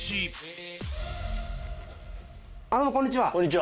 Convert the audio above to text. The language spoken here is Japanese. あどうもこんにちは。